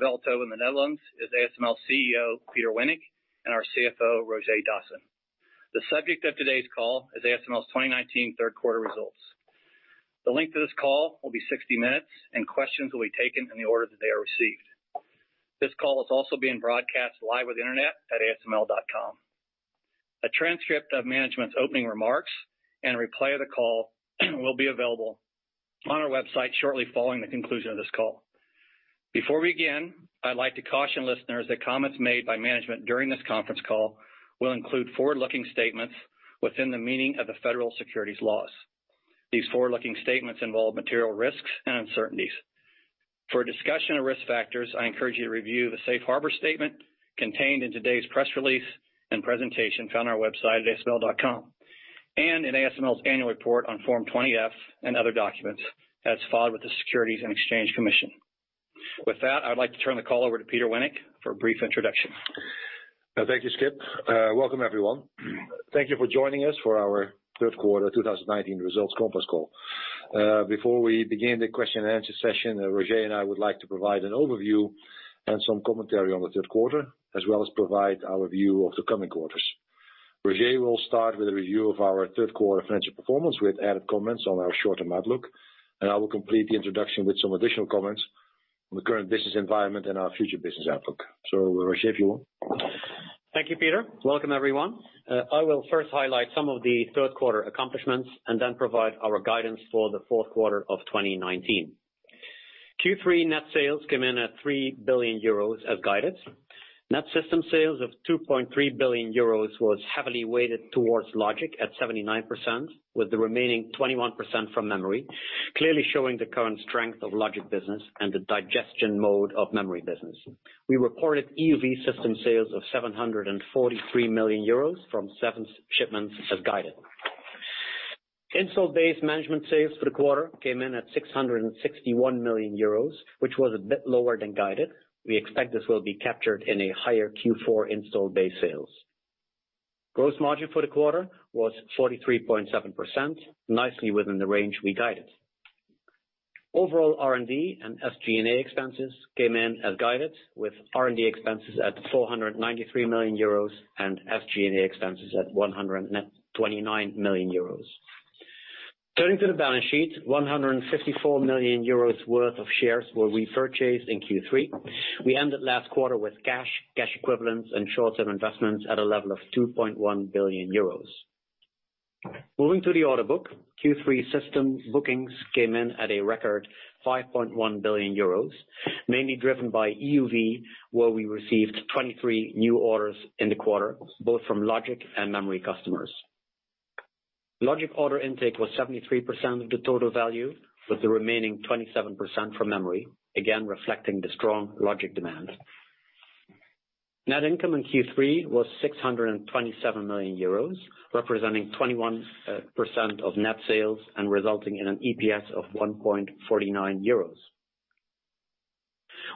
Veldhoven, the Netherlands, is ASML CEO, Peter Wennink, and our CFO, Roger Dassen. The subject of today's call is ASML's 2019 third quarter results. The length of this call will be 60 minutes, and questions will be taken in the order that they are received. This call is also being broadcast live on the internet at asml.com. A transcript of management's opening remarks and replay of the call will be available on our website shortly following the conclusion of this call. Before we begin, I'd like to caution listeners that comments made by management during this conference call will include forward-looking statements within the meaning of the federal securities laws. These forward-looking statements involve material risks and uncertainties. For a discussion of risk factors, I encourage you to review the safe harbor statement contained in today's press release and presentation found on our website at asml.com, and in ASML's annual report on Form 20-F and other documents as filed with the Securities and Exchange Commission. With that, I would like to turn the call over to Peter Wennink for a brief introduction. Thank you, Skip. Welcome, everyone. Thank you for joining us for our third quarter 2019 results conference call. Before we begin the question and answer session, Roger and I would like to provide an overview and some commentary on the third quarter, as well as provide our view of the coming quarters. Roger will start with a review of our third quarter financial performance, with added comments on our short-term outlook, and I will complete the introduction with some additional comments on the current business environment and our future business outlook. Roger, if you want. Thank you, Peter. Welcome, everyone. I will first highlight some of the third quarter accomplishments and then provide our guidance for the fourth quarter of 2019. Q3 net sales came in at 3 billion euros as guided. Net system sales of 2.3 billion euros was heavily weighted towards logic at 79%, with the remaining 21% from memory, clearly showing the current strength of logic business and the digestion mode of memory business. We reported EUV system sales of 743 million euros from seven shipments as guided. Installed base management sales for the quarter came in at 661 million euros, which was a bit lower than guided. We expect this will be captured in a higher Q4 installed base sales. Gross margin for the quarter was 43.7%, nicely within the range we guided. Overall, R&D and SG&A expenses came in as guided, with R&D expenses at 493 million euros and SG&A expenses at 129 million euros. Turning to the balance sheet, €154 million worth of shares were repurchased in Q3. We ended last quarter with cash equivalents, and short-term investments at a level of €2.1 billion. Moving to the order book, Q3 system bookings came in at a record €5.1 billion, mainly driven by EUV, where we received 23 new orders in the quarter, both from logic and memory customers. Logic order intake was 73% of the total value, with the remaining 27% from memory, again, reflecting the strong logic demand. Net income in Q3 was €627 million, representing 21% of net sales and resulting in an EPS of €1.49.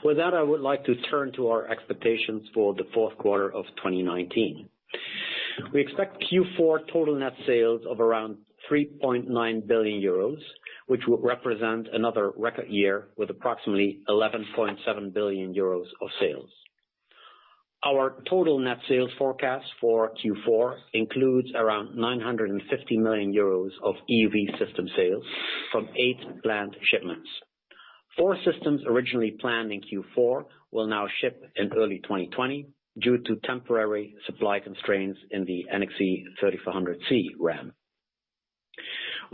With that, I would like to turn to our expectations for the fourth quarter of 2019. We expect Q4 total net sales of around €3.9 billion, which will represent another record year with approximately €11.7 billion of sales. Our total net sales forecast for Q4 includes around 950 million euros of EUV system sales from eight planned shipments. Four systems originally planned in Q4 will now ship in early 2020 due to temporary supply constraints in the NXE:3400C ramp.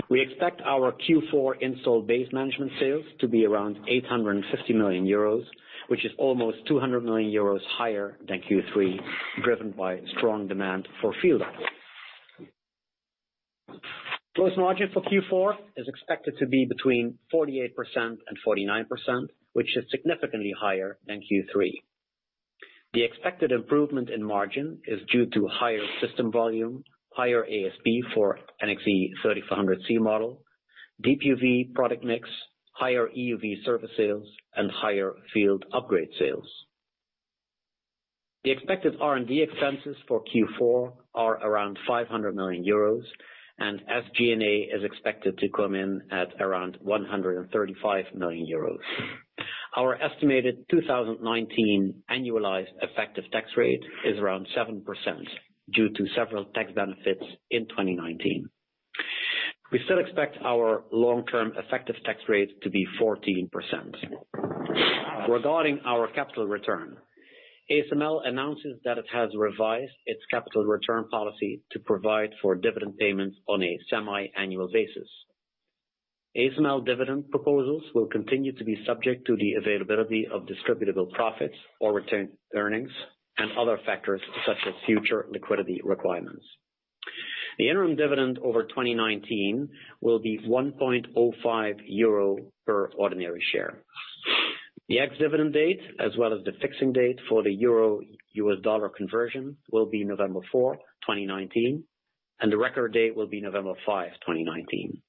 We expect our Q4 installed base management sales to be around 850 million euros, which is almost 200 million euros higher than Q3, driven by strong demand for field. Gross margin for Q4 is expected to be between 48% and 49%, which is significantly higher than Q3. The expected improvement in margin is due to higher system volume, higher ASP for NXE:3400C model, DUV product mix, higher EUV service sales, and higher field upgrade sales. The expected R&D expenses for Q4 are around 500 million euros, and SG&A is expected to come in at around 135 million euros. Our estimated 2019 annualized effective tax rate is around 7% due to several tax benefits in 2019. We still expect our long-term effective tax rate to be 14%. Regarding our capital return, ASML announces that it has revised its capital return policy to provide for dividend payments on a semiannual basis. ASML dividend proposals will continue to be subject to the availability of distributable profits or return earnings and other factors such as future liquidity requirements. The interim dividend over 2019 will be 1.05 euro per ordinary share. The ex-dividend date, as well as the fixing date for the euro-US dollar conversion, will be November 4, 2019, and the record date will be November 5, 2019.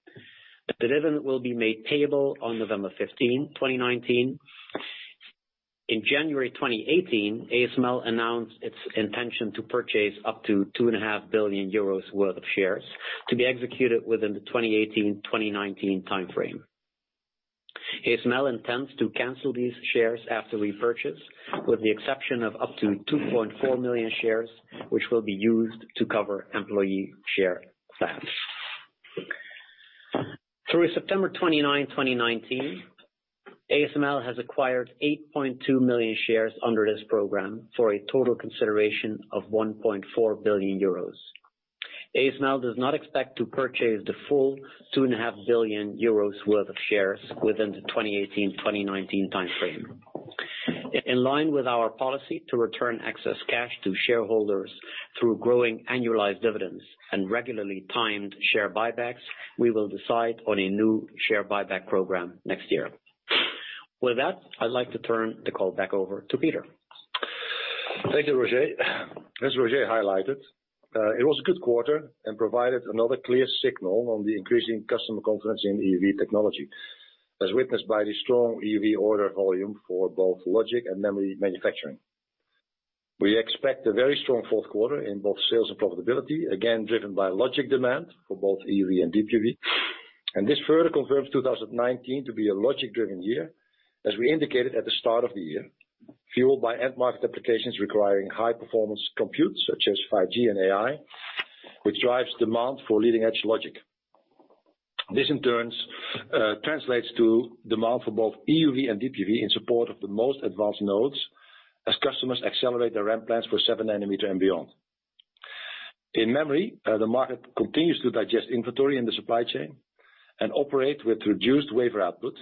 The dividend will be made payable on November 15, 2019. In January 2018, ASML announced its intention to purchase up to 2.5 billion euros worth of shares, to be executed within the 2018-2019 timeframe. ASML intends to cancel these shares after repurchase, with the exception of up to 2.4 million shares, which will be used to cover employee share plans. Through September 29, 2019, ASML has acquired 8.2 million shares under this program for a total consideration of 1.4 billion euros. ASML does not expect to purchase the full 2.5 billion euros worth of shares within the 2018-2019 timeframe. In line with our policy to return excess cash to shareholders through growing annualized dividends and regularly timed share buybacks, we will decide on a new share buyback program next year. With that, I'd like to turn the call back over to Peter. Thank you, Roger. As Roger highlighted, it was a good quarter and provided another clear signal on the increasing customer confidence in EUV technology, as witnessed by the strong EUV order volume for both logic and memory manufacturing. This further confirms 2019 to be a logic-driven year, as we indicated at the start of the year. Fueled by end market applications requiring high-performance compute, such as 5G and AI, which drives demand for leading-edge logic. This in turn translates to demand for both EUV and DUV in support of the most advanced nodes, as customers accelerate their ramp plans for seven nanometer and beyond. In memory, the market continues to digest inventory in the supply chain and operate with reduced wafer output,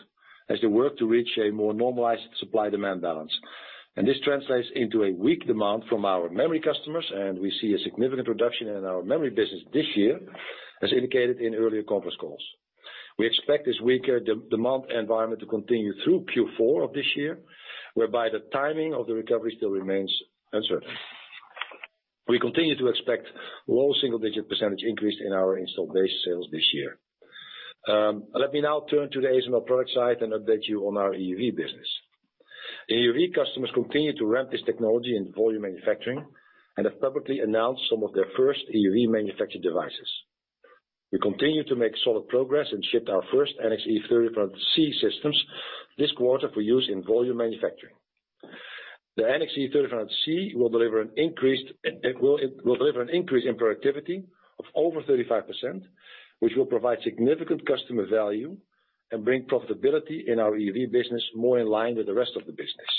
as they work to reach a more normalized supply-demand balance. This translates into a weak demand from our memory customers, and we see a significant reduction in our memory business this year, as indicated in earlier conference calls. We expect this weaker demand environment to continue through Q4 of this year, whereby the timing of the recovery still remains uncertain. We continue to expect low single-digit % increase in our installed base sales this year. Let me now turn to the ASML product side and update you on our EUV business. EUV customers continue to ramp this technology into volume manufacturing and have publicly announced some of their first EUV manufactured devices. We continue to make solid progress and shipped our first NXE:3400C systems this quarter for use in volume manufacturing. The NXE:3400C will deliver an increase in productivity of over 35%, which will provide significant customer value and bring profitability in our EUV business more in line with the rest of the business.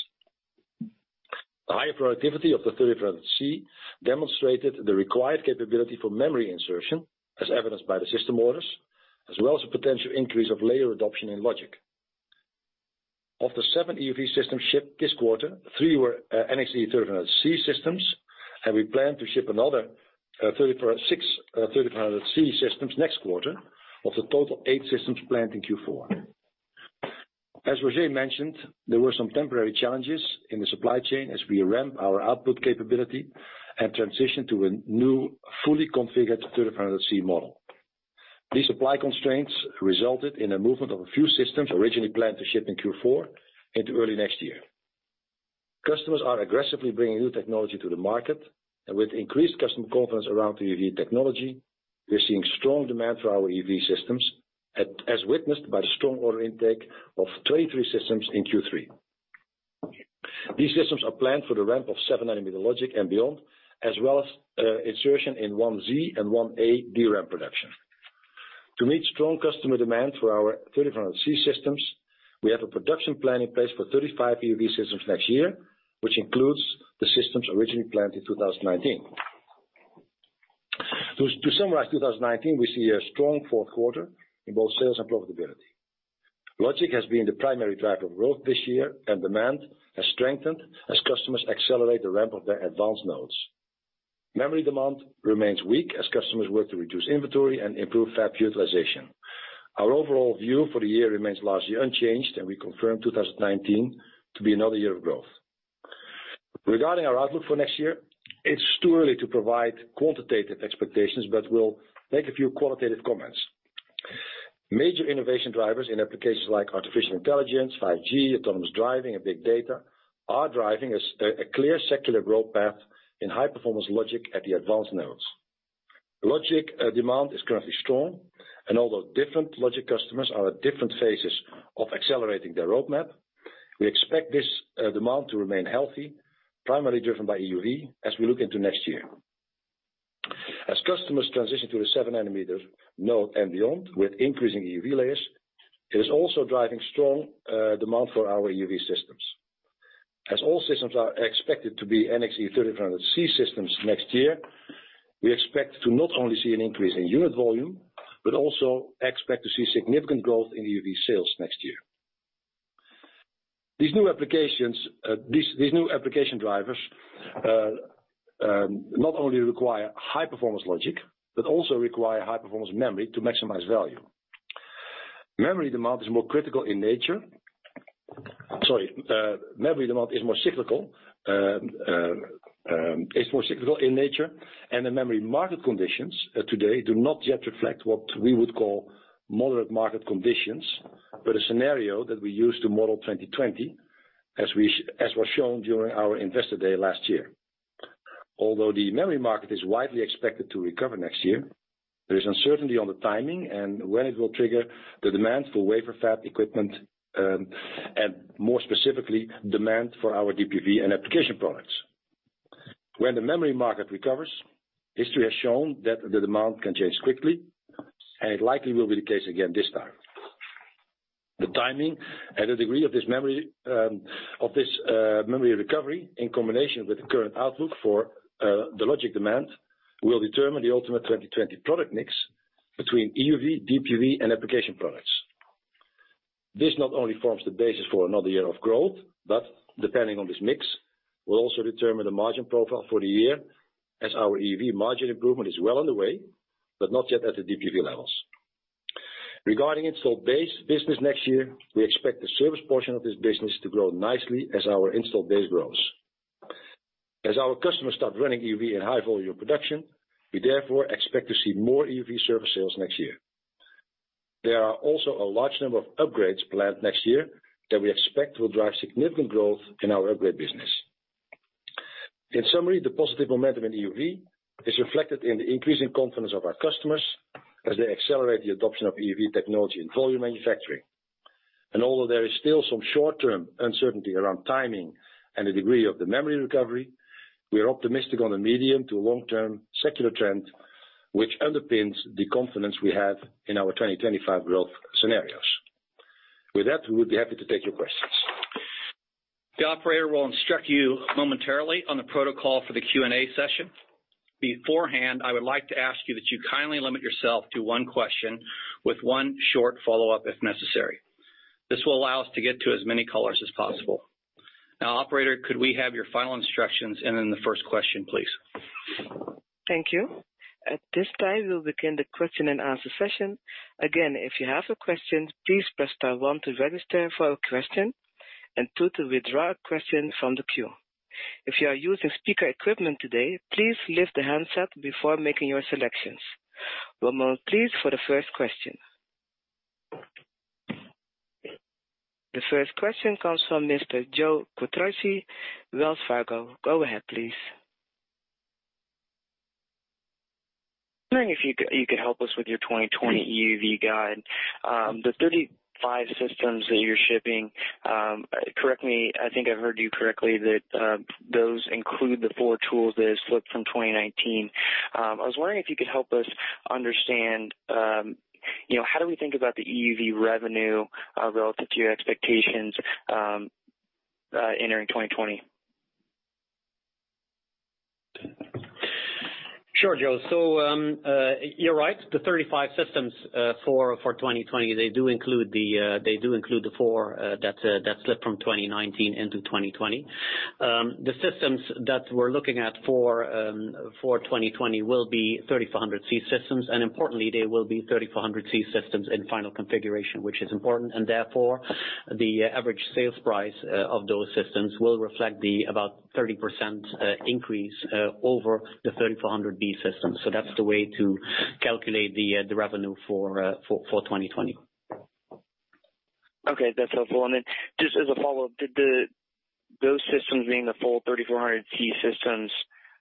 The higher productivity of the 3400C demonstrated the required capability for memory insertion, as evidenced by the system orders, as well as the potential increase of layer adoption in logic. Of the seven EUV systems shipped this quarter, three were NXE:3400C systems, and we plan to ship another six 3400C systems next quarter, of the total eight systems planned in Q4. As Roger mentioned, there were some temporary challenges in the supply chain as we ramp our output capability and transition to a new fully configured 3400C model. These supply constraints resulted in a movement of a few systems originally planned to ship in Q4 into early next year. Customers are aggressively bringing new technology to the market, and with increased customer confidence around the EUV technology, we are seeing strong demand for our EUV systems, as witnessed by the strong order intake of 23 systems in Q3. These systems are planned for the ramp of 7 nanometer logic and beyond, as well as insertion in 1Z and 1A DRAM production. To meet strong customer demand for our 3400C systems, we have a production plan in place for 35 EUV systems next year, which includes the systems originally planned in 2019. To summarize 2019, we see a strong fourth quarter in both sales and profitability. Logic has been the primary driver of growth this year, and demand has strengthened as customers accelerate the ramp of their advanced nodes. Memory demand remains weak as customers work to reduce inventory and improve fab utilization. Our overall view for the year remains largely unchanged, and we confirm 2019 to be another year of growth. Regarding our outlook for next year, it's too early to provide quantitative expectations, but we'll make a few qualitative comments. Major innovation drivers in applications like artificial intelligence, 5G, autonomous driving, and big data are driving a clear secular growth path in high-performance logic at the advanced nodes. Logic demand is currently strong, and although different logic customers are at different phases of accelerating their roadmap, we expect this demand to remain healthy, primarily driven by EUV, as we look into next year. As customers transition to the 7 nanometers node and beyond with increasing EUV layers, it is also driving strong demand for our EUV systems. As all systems are expected to be NXE:3400C systems next year, we expect to not only see an increase in unit volume, but also expect to see significant growth in EUV sales next year. These new application drivers not only require high-performance logic, but also require high-performance memory to maximize value. Memory demand is more cyclical in nature, and the memory market conditions today do not yet reflect what we would call moderate market conditions, but a scenario that we use to model 2020, as was shown during our investor day last year. Although the memory market is widely expected to recover next year, there is uncertainty on the timing and when it will trigger the demand for wafer fab equipment, and more specifically, demand for our DUV and application products. When the memory market recovers, history has shown that the demand can change quickly, and it likely will be the case again this time. The timing and the degree of this memory recovery, in combination with the current outlook for the logic demand, will determine the ultimate 2020 product mix between EUV, DUV, and application products. This not only forms the basis for another year of growth, but depending on this mix, will also determine the margin profile for the year, as our EUV margin improvement is well on the way, but not yet at the DUV levels. Regarding installed base business next year, we expect the service portion of this business to grow nicely as our installed base grows. As our customers start running EUV in high-volume production, we therefore expect to see more EUV service sales next year. There are also a large number of upgrades planned next year that we expect will drive significant growth in our upgrade business. In summary, the positive momentum in EUV is reflected in the increasing confidence of our customers as they accelerate the adoption of EUV technology in volume manufacturing. Although there is still some short-term uncertainty around timing and the degree of the memory recovery, we are optimistic on the medium to long-term secular trend, which underpins the confidence we have in our 2025 growth scenarios. With that, we would be happy to take your questions. The operator will instruct you momentarily on the protocol for the Q&A session. Beforehand, I would like to ask you that you kindly limit yourself to one question with one short follow-up if necessary. This will allow us to get to as many callers as possible. Operator, could we have your final instructions and then the first question, please? Thank you. At this time, we'll begin the question and answer session. Again, if you have a question, please press star one to register for a question, and two to withdraw a question from the queue. If you are using speaker equipment today, please lift the handset before making your selections. Ramon, please, for the first question. The first question comes from Mr. Joe Quatrochi, Wells Fargo. Go ahead, please. Wondering if you could help us with your 2020 EUV guide? The 35 systems that you're shipping, correct me, I think I've heard you correctly, that those include the four tools that slipped from 2019? I was wondering if you could help us understand, how do we think about the EUV revenue relative to your expectations entering 2020? Sure, Joe. You're right. The 35 systems for 2020, they do include the four that slipped from 2019 into 2020. The systems that we're looking at for 2020 will be 3400C systems, and importantly, they will be 3400C systems in final configuration, which is important. Therefore, the average sales price of those systems will reflect the about 30% increase over the 3400B systems. That's the way to calculate the revenue for 2020. Okay, that's helpful. Just as a follow-up, did those systems being the full 3400C systems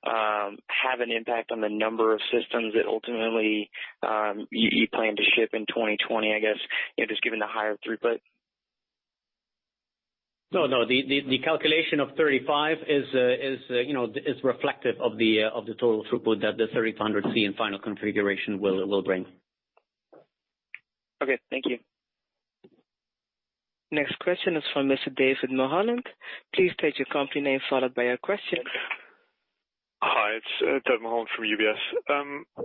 have an impact on the number of systems that ultimately you plan to ship in 2020, I guess, just given the higher throughput? No. The calculation of 35 is reflective of the total throughput that the 3400C in final configuration will bring. Okay. Thank you. Next question is from Mr. David Mulholland. Please state your company name followed by your question. Hi, it's David Mulholland from UBS.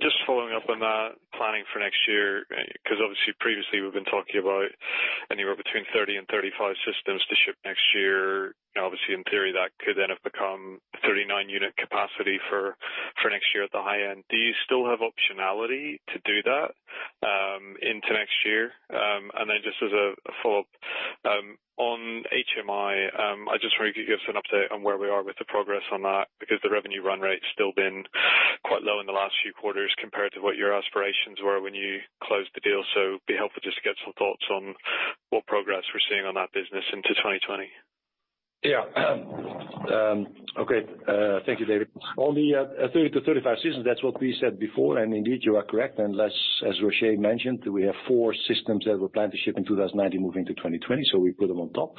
Just following up on that planning for next year, because obviously previously we've been talking about anywhere between 30 and 35 systems to ship next year. Obviously, in theory, that could then have become 39-unit capacity for next year at the high end. Do you still have optionality to do that into next year? Then just as a follow-up, on HMI, I just wonder if you could give us an update on where we are with the progress on that, because the revenue run rate's still been quite low in the last few quarters compared to what your aspirations were when you closed the deal. It'd be helpful just to get some thoughts on what progress we're seeing on that business into 2020. Yeah. Okay. Thank you, David. On the 30-35 systems, that's what we said before, indeed, you are correct. As Roger mentioned, we have four systems that were planned to ship in 2019 moving to 2020. We put them on top.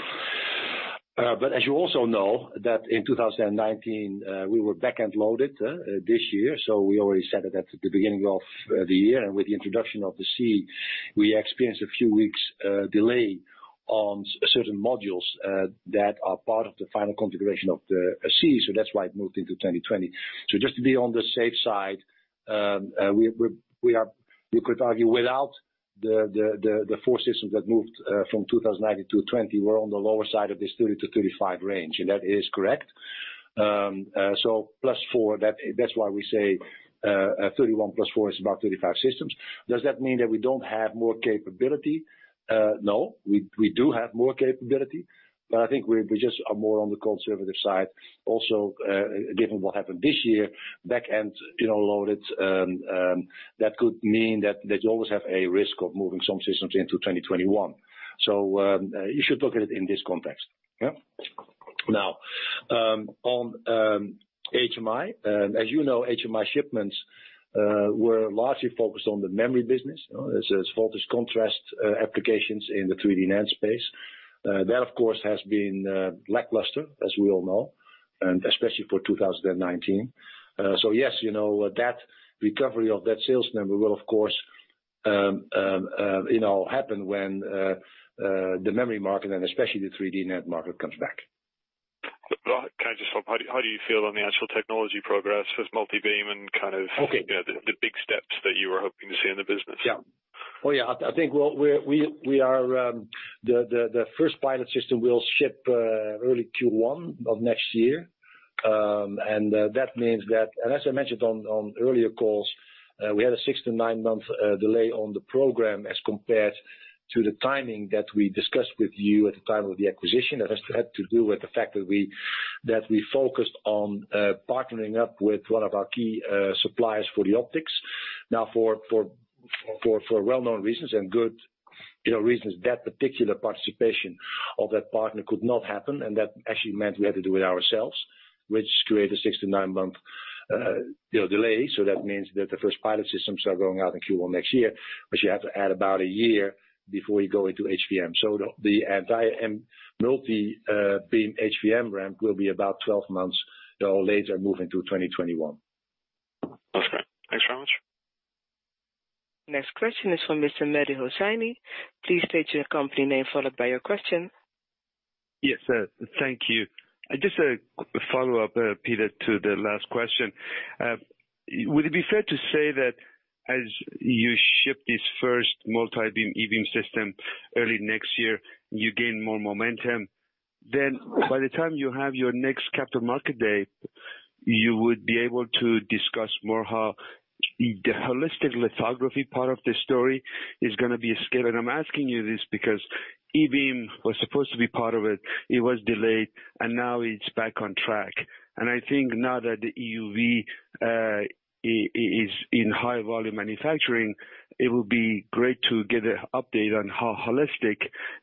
As you also know, that in 2019, we were back end loaded this year. We already said it at the beginning of the year. With the introduction of the C, we experienced a few weeks delay on certain modules that are part of the final configuration of the C. That's why it moved into 2020. Just to be on the safe side, you could argue without the 4 systems that moved from 2019 to 2020, we're on the lower side of this 30-35 range, and that is correct. Plus 4, that's why we say 31 plus 4 is about 35 systems. Does that mean that we don't have more capability? No, we do have more capability, but I think we just are more on the conservative side. Given what happened this year, back end loaded, that could mean that you always have a risk of moving some systems into 2021. You should look at it in this context. Yeah? On HMI. As you know, HMI shipments were largely focused on the memory business. There's voltage contrast applications in the 3D NAND space. That, of course, has been lackluster, as we all know, and especially for 2019. Yes, that recovery of that sales number will, of course, happen when the memory market and especially the 3D NAND market comes back. Can I just stop? How do you feel on the actual technology progress with multi-beam. Okay. the big steps that you were hoping to see in the business? Yeah. I think the first pilot system will ship early Q1 of next year. As I mentioned on earlier calls, we had a six to nine-month delay on the program as compared to the timing that we discussed with you at the time of the acquisition. That had to do with the fact that we focused on partnering up with one of our key suppliers for the optics. Now for well-known reasons and good reasons, that particular participation of that partner could not happen, and that actually meant we had to do it ourselves, which created a six to nine-month delay. That means that the first pilot systems are going out in Q1 next year. You have to add about a year before you go into HVM. The multi-beam HVM ramp will be about 12 months, or later move into 2021. Okay. Thanks very much. Next question is from Mr. Mehdi Hosseini. Please state your company name, followed by your question. Yes, sir. Thank you. Just a follow-up, Peter, to the last question. Would it be fair to say that as you ship this first multi-beam E-beam system early next year, you gain more momentum, then by the time you have your next Capital Market Day, you would be able to discuss more how the holistic lithography part of the story is going to be scaled? I'm asking you this because E-beam was supposed to be part of it. It was delayed, and now it's back on track. I think now that the EUV is in high volume manufacturing, it will be great to get an update on how holistic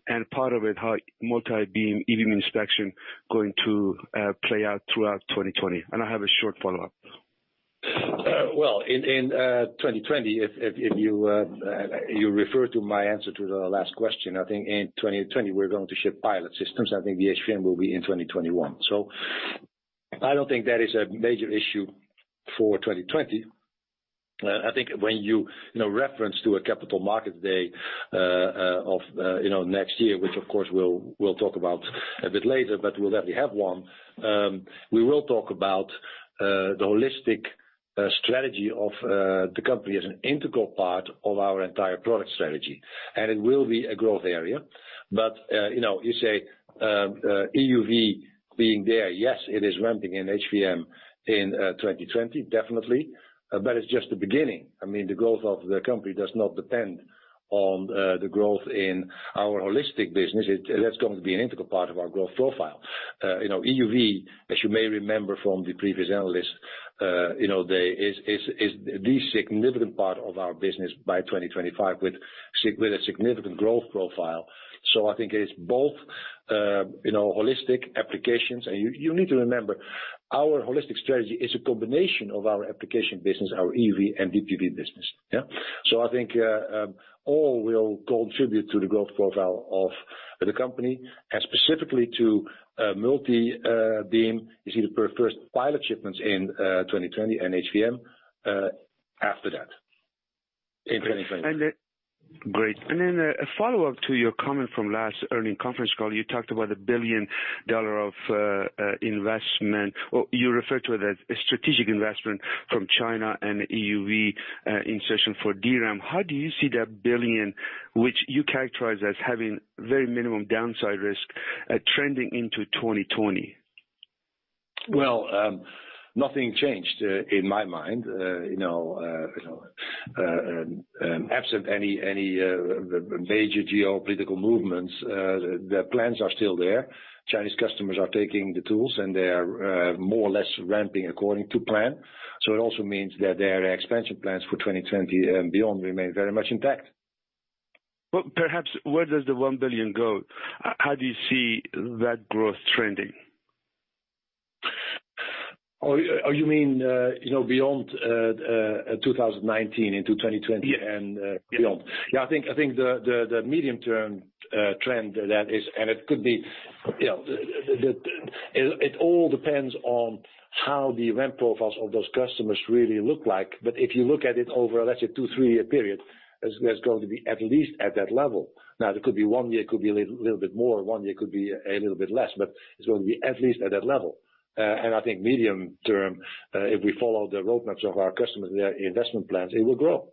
and part of it, how multi-beam E-beam inspection going to play out throughout 2020. I have a short follow-up. Well, in 2020, if you refer to my answer to the last question, I think in 2020, we're going to ship pilot systems. I think the HVM will be in 2021. I don't think that is a major issue for 2020. I think when you reference to a capital markets day of next year, which of course we'll talk about a bit later, but we'll definitely have one. We will talk about the holistic strategy of the company as an integral part of our entire product strategy, and it will be a growth area. You say EUV being there. Yes, it is ramping in HVM in 2020, definitely. It's just the beginning. I mean, the growth of the company does not depend on the growth in our holistic business. That's going to be an integral part of our growth profile. EUV, as you may remember from the previous analyst day, is the significant part of our business by 2025, with a significant growth profile. I think it is both holistic applications, and you need to remember, our holistic strategy is a combination of our application business, our EUV and DUV business. Yeah. I think all will contribute to the growth profile of the company and specifically to multi-beam. You see the first pilot shipments in 2020 and HVM after that in 2020. Great. Then a follow-up to your comment from last earnings conference call. You talked about EUR 1 billion of investment, or you referred to it as a strategic investment from China and EUV insertion for DRAM. How do you see that 1 billion, which you characterize as having very minimum downside risk, trending into 2020? Well, nothing changed in my mind. Absent any major geopolitical movements, the plans are still there. Chinese customers are taking the tools, and they are more or less ramping according to plan. It also means that their expansion plans for 2020 and beyond remain very much intact. Perhaps where does the 1 billion go? How do you see that growth trending? Oh, you mean beyond 2019 into 2020 and beyond? Yeah. Yeah, I think the medium-term trend that is, and it all depends on how the ramp profiles of those customers really look like. If you look at it over, let's say, two, three-year period, there's going to be at least at that level. There could be one year, it could be a little bit more, one year, it could be a little bit less, but it's going to be at least at that level. I think medium-term, if we follow the roadmaps of our customers and their investment plans, it will grow.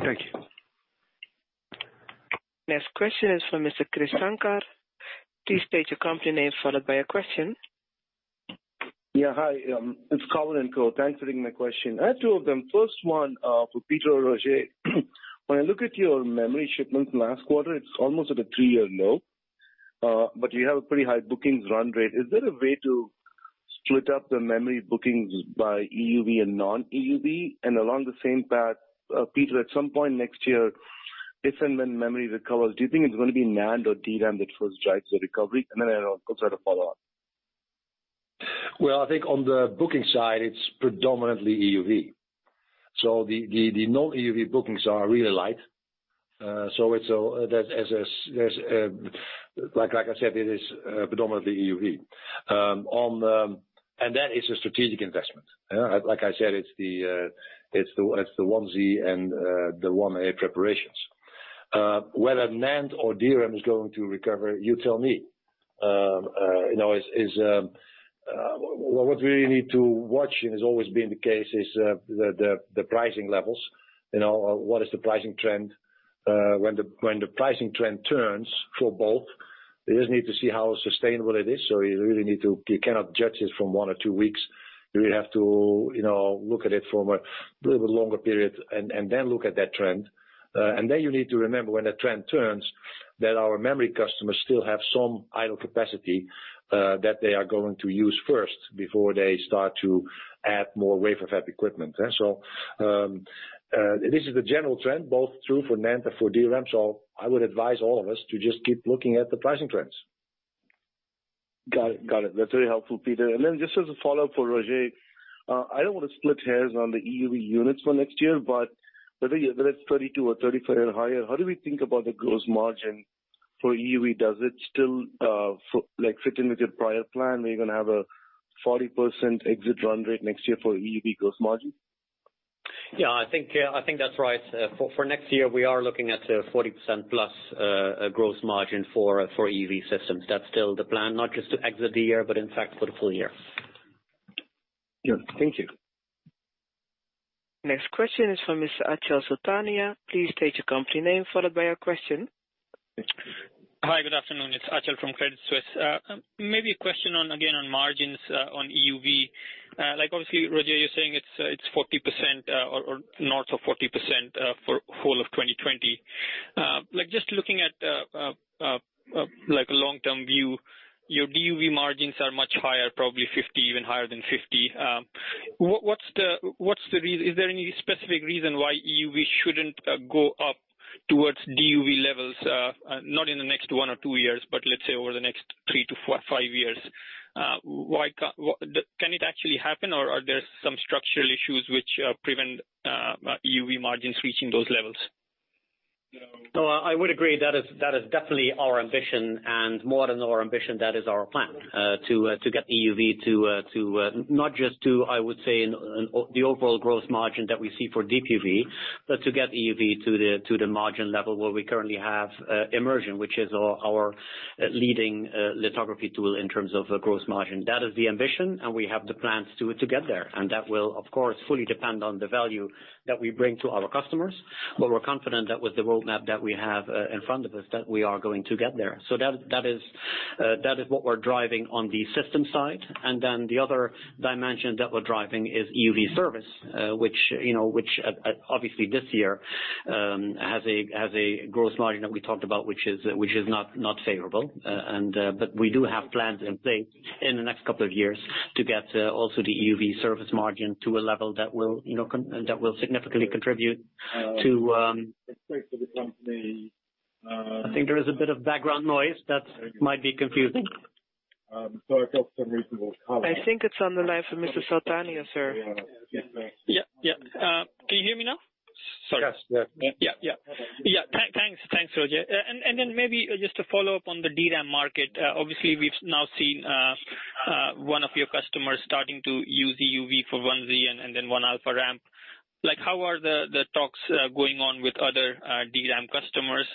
Thank you. Next question is from Mr. Krish Sankar. Please state your company name, followed by your question. Yeah, hi. It's Cowen and Company. Thanks for taking my question. I have two of them. First one, for Peter or Roger. When I look at your memory shipments last quarter, it's almost at a three-year low. You have a pretty high bookings run rate. Is there a way to split up the memory bookings by EUV and non-EUV? Along the same path, Peter, at some point next year, if and when memory recovers, do you think it's going to be NAND or DRAM that first drives the recovery? Then I got a follow-up. I think on the booking side, it's predominantly EUV. The non-EUV bookings are really light. Like I said, it is predominantly EUV. That is a strategic investment. Like I said, it's the 1Z and the 1A preparations. Whether NAND or DRAM is going to recover, you tell me. What we need to watch, and has always been the case, is the pricing levels. What is the pricing trend? When the pricing trend turns for both, you just need to see how sustainable it is, so you cannot judge it from one or two weeks. You really have to look at it from a little bit longer period, and then look at that trend. You need to remember when the trend turns, that our memory customers still have some idle capacity that they are going to use first before they start to add more wafer fab equipment. This is the general trend, both true for NAND and for DRAM. I would advise all of us to just keep looking at the pricing trends. Got it. That's very helpful, Peter. Just as a follow-up for Roger, I don't want to split hairs on the EUV units for next year, but whether it's 22 or 35 or higher, how do we think about the gross margin for EUV? Does it still fit into your prior plan, where you're going to have a 40% exit run rate next year for EUV gross margin? Yeah, I think that's right. For next year, we are looking at a 40%+ gross margin for EUV systems. That's still the plan, not just to exit the year, but in fact for the full year. Sure. Thank you. Next question is from Mr. Achal Sultania. Please state your company name, followed by your question. Hi, good afternoon. It is Achal from Credit Suisse. Maybe a question again on margins on EUV. Obviously, Roger, you are saying it is 40% or north of 40% for full of 2020. Just looking at a long-term view, your DUV margins are much higher, probably 50%, even higher than 50%. Is there any specific reason why EUV shouldn't go up towards DUV levels? Not in the next one or two years, but let's say over the next three to five years. Can it actually happen, or are there some structural issues which prevent EUV margins reaching those levels? I would agree that is definitely our ambition, and more than our ambition, that is our plan, to get EUV to not just to, I would say, the overall gross margin that we see for DUV, but to get EUV to the margin level where we currently have immersion, which is our leading lithography tool in terms of gross margin. That is the ambition, we have the plans to get there. That will, of course, fully depend on the value that we bring to our customers. We're confident that with the roadmap that we have in front of us, that we are going to get there. That is what we're driving on the system side. The other dimension that we're driving is EUV service, which obviously this year has a gross margin that we talked about, which is not favorable. We do have plans in place in the next couple of years to get also the EUV service margin to a level that will significantly contribute. I think there is a bit of background noise that might be confusing. I think it's on the line for Mr. Sultania, sir. Yeah. Can you hear me now? Sorry. Yes. Yeah. Thanks, Roger. Maybe just to follow up on the DRAM market. Obviously, we've now seen one of your customers starting to use EUV for 1Z and then 1-alpha ramp. How are the talks going on with other DRAM customers?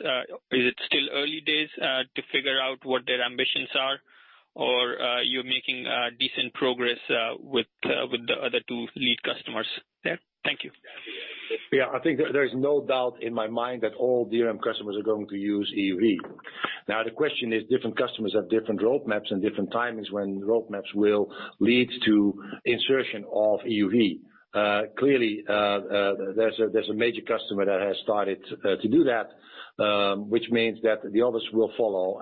Is it still early days to figure out what their ambitions are, or are you making decent progress with the other two lead customers there? Thank you. Yeah, I think there is no doubt in my mind that all DRAM customers are going to use EUV. The question is, different customers have different roadmaps and different timings when roadmaps will lead to insertion of EUV. There's a major customer that has started to do that, which means that the others will follow,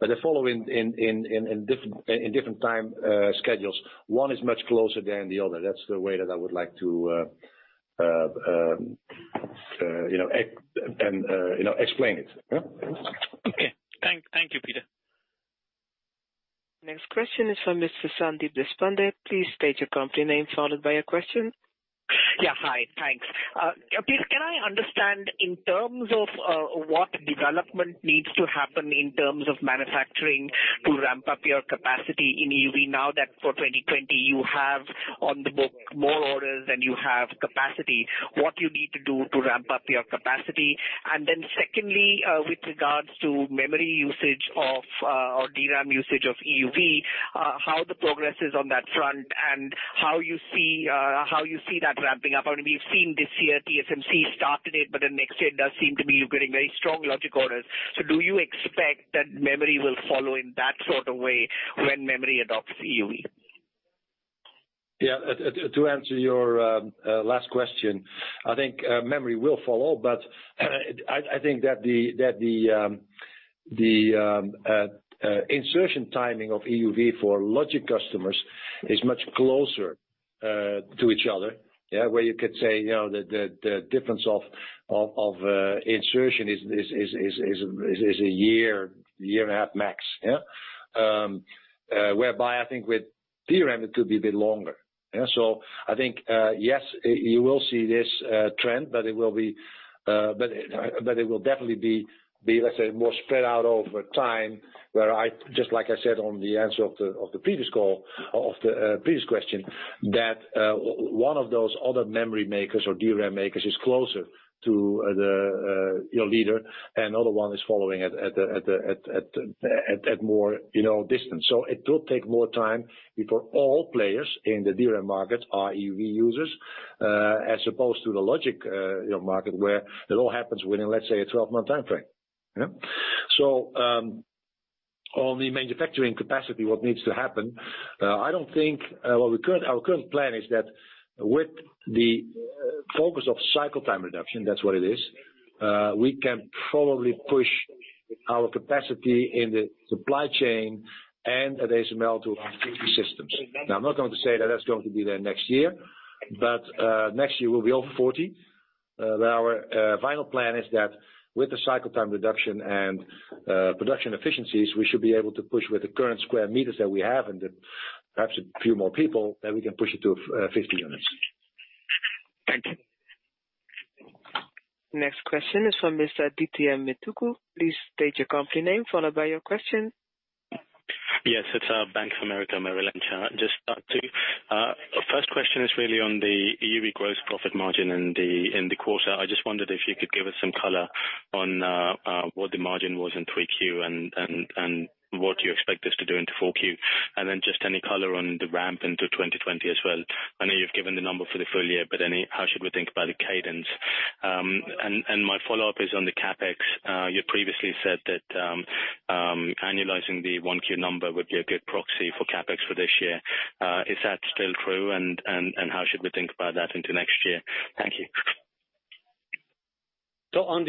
but they follow in different time schedules. One is much closer than the other. That's the way that I would like to explain it. Okay. Thank you, Peter. Next question is from Mr. Sandeep Deshpande. Please state your company name, followed by your question. Yeah, hi. Thanks. Peter, can I understand in terms of what development needs to happen in terms of manufacturing to ramp up your capacity in EUV now that for 2020 you have on the book more orders than you have capacity, what you need to do to ramp up your capacity? Secondly, with regards to memory usage of, or DRAM usage of EUV, how the progress is on that front, and how you see that ramping up? I mean, we've seen this year TSMC started it, next year it does seem to be you're getting very strong logic orders. Do you expect that memory will follow in that sort of way when memory adopts EUV? To answer your last question, I think memory will follow, but I think that the insertion timing of EUV for logic customers is much closer to each other, where you could say the difference of insertion is a year and a half max. I think with DRAM, it will be a bit longer. I think, yes, you will see this trend, but it will definitely be, let's say, more spread out over time, where, just like I said on the answer of the previous question, that one of those other memory makers or DRAM makers is closer to the leader, and the other one is following at more distance. It will take more time before all players in the DRAM market are EUV users, as opposed to the logic market where it all happens within, let's say, a 12-month timeframe. On the manufacturing capacity, what needs to happen? Our current plan is that with the focus of cycle time reduction, that's what it is, we can probably push our capacity in the supply chain and at ASML to 50 systems. I'm not going to say that that's going to be there next year, but next year we'll be over 40. Our final plan is that with the cycle time reduction and production efficiencies, we should be able to push with the current square meters that we have and perhaps a few more people, that we can push it to 50 units. Thank you. Next question is from Mr. Adithya Metuku. Please state your company name, followed by your question. Yes, it's Bank of America Merrill Lynch. Just two. First question is really on the EUV gross profit margin in the quarter. I just wondered if you could give us some color on what the margin was in 3Q and what you expect this to do into 4Q. Just any color on the ramp into 2020 as well. I know you've given the number for the full year, how should we think about the cadence? My follow-up is on the CapEx. You previously said that annualizing the 1Q number would be a good proxy for CapEx for this year. Is that still true? How should we think about that into next year? Thank you. On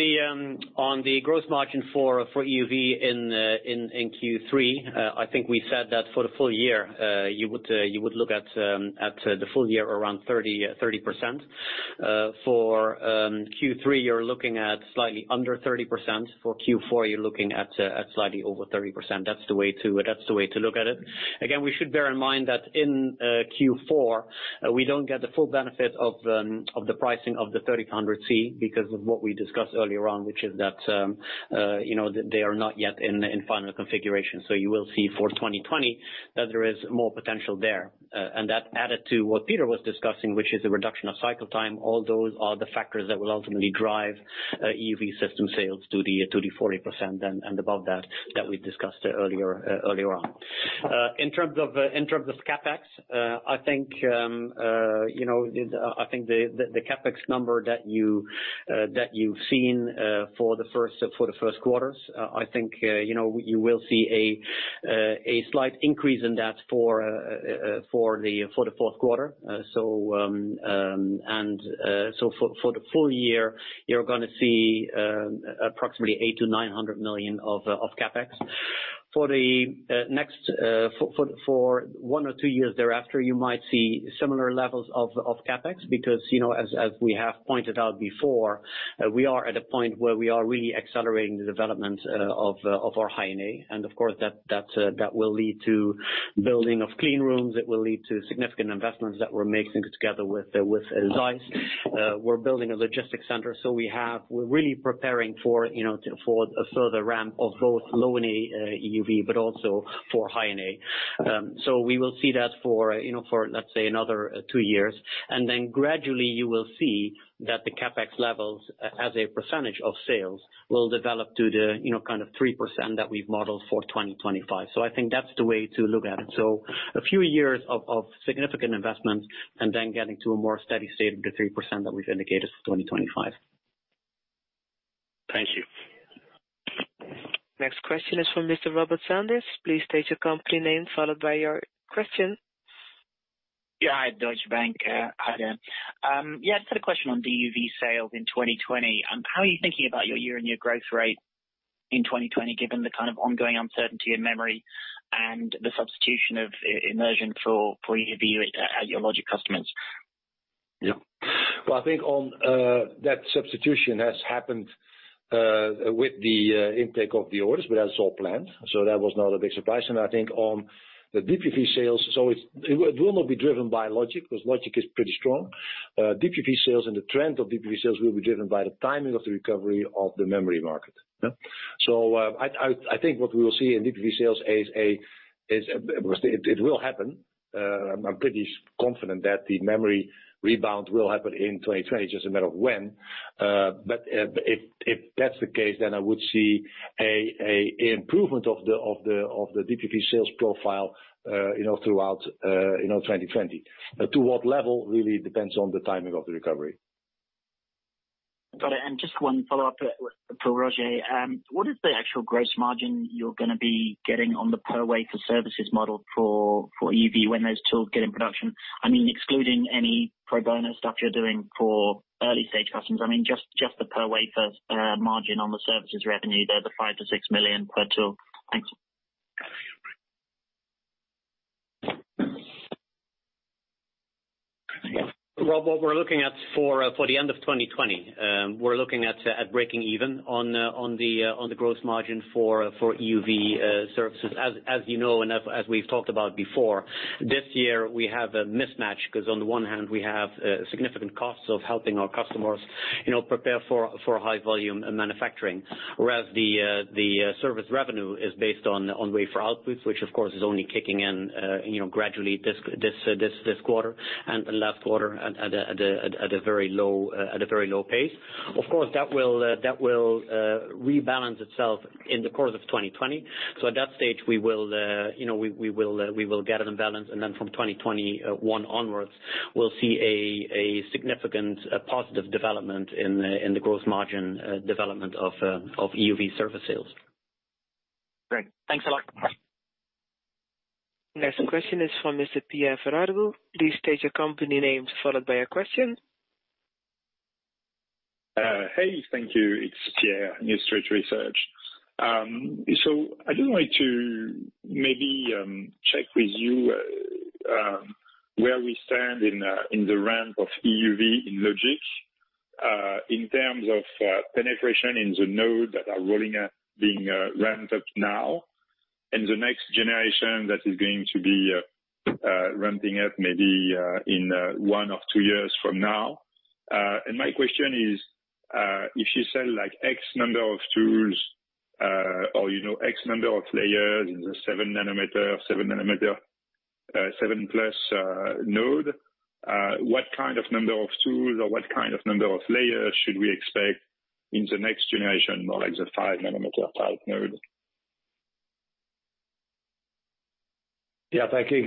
the gross margin for EUV in Q3, I think we said that for the full year, you would look at the full year around 30%. For Q3, you're looking at slightly under 30%. For Q4, you're looking at slightly over 30%. That's the way to look at it. Again, we should bear in mind that in Q4, we don't get the full benefit of the pricing of the 300C because of what we discussed earlier on, which is that they are not yet in final configuration. You will see for 2020 that there is more potential there. That added to what Peter was discussing, which is the reduction of cycle time. All those are the factors that will ultimately drive EUV system sales to the 40% and above that we discussed earlier on. In terms of CapEx, I think the CapEx number that you've seen for the first quarters, I think you will see a slight increase in that for the fourth quarter. For the full year, you're going to see approximately 8 million-900 million of CapEx. For one or two years thereafter, you might see similar levels of CapEx because as we have pointed out before, we are at a point where we are really accelerating the development of our High NA, and of course, that will lead to building of clean rooms. It will lead to significant investments that we're making together with Zeiss. We're building a logistics center. We're really preparing for a further ramp of both Low NA EUV, but also for High NA. We will see that for, let's say, another two years. Gradually you will see that the CapEx levels as a percentage of sales will develop to the kind of 3% that we've modeled for 2025. I think that's the way to look at it. A few years of significant investment and then getting to a more steady state of the 3% that we've indicated for 2025. Thank you. Next question is from Mr. Robert Sanders. Please state your company name, followed by your question. Yeah. Deutsche Bank. Hi there. Yeah, just had a question on DUV sales in 2020. How are you thinking about your year and your growth rate in 2020, given the kind of ongoing uncertainty in memory and the substitution of immersion for EUV at your logic customers? Yeah. Well, I think that substitution has happened with the intake of the orders, that's all planned. That was not a big surprise. I think on the DUV sales, it will not be driven by logic because logic is pretty strong. DUV sales and the trend of DUV sales will be driven by the timing of the recovery of the memory market. I think what we will see in DUV sales is it will happen. I'm pretty confident that the memory rebound will happen in 2020. Just a matter of when. If that's the case, I would see a improvement of the DUV sales profile throughout 2020. To what level really depends on the timing of the recovery. Got it. Just one follow-up for Roger. What is the actual gross margin you're going to be getting on the per-wafer services model for EUV when those tools get in production? Excluding any pro bono stuff you're doing for early-stage customers, just the per-wafer margin on the services revenue there, the 5 million-6 million per tool. Thanks. Well, what we're looking at for the end of 2020, we're looking at breaking even on the gross margin for EUV services. As you know and as we've talked about before, this year we have a mismatch, because on the one hand, we have significant costs of helping our customers prepare for high volume manufacturing. Whereas the service revenue is based on wafer outputs, which of course is only kicking in gradually this quarter and the last quarter at a very low pace. Of course, that will rebalance itself in the course of 2020. At that stage, we will get it in balance, and then from 2021 onwards, we'll see a significant positive development in the gross margin development of EUV service sales. Great. Thanks a lot. Next question is from Mr. Pierre Ferragu. Please state your company name followed by your question. Hey, thank you. It's Pierre, New Street Research. I just wanted to maybe check with you where we stand in the ramp of EUV in Logic in terms of penetration in the node that are rolling out, being ramped up now, and the next generation that is going to be ramping up maybe in one or two years from now. My question is, if you sell X number of tools or X number of layers in the 7-nanometer, 7-plus node, what kind of number of tools or what kind of number of layers should we expect in the next generation, like the 5-nanometer type node? Yeah, thank you.